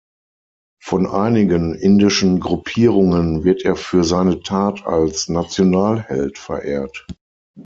Von einigen indischen Gruppierungen wird er für seine Tat als Nationalheld verehrt.